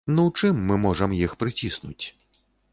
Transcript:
Ну чым мы можам іх прыціснуць?